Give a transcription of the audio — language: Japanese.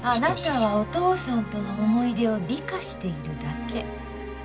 あなたはお父さんとの思い出を美化しているだけ。